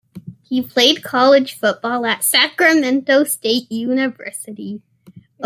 He played college football at Sacramento State University.